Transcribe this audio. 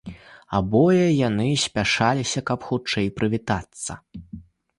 Абое яны спяшаліся, каб хутчэй прывітацца.